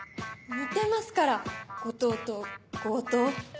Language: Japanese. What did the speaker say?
似てますから後藤と強盗。